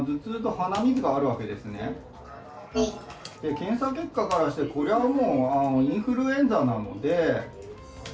検査結果からして、これはもうインフルエンザなので。